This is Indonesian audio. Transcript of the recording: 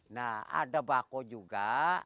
nah ada bakau juga